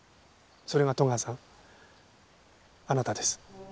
それが戸川さんあなたです。